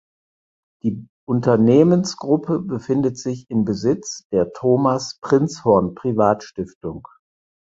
Die Unternehmensgruppe befindet sich in Besitz der Thomas Prinzhorn Privatstiftung.